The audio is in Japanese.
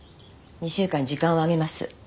２週間時間をあげます